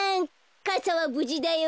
かさはぶじだよ。